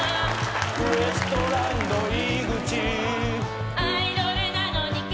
「ウエストランド井口」「アイドルなのに顔が」